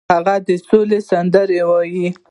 هغه د سولې سندرې ویلې.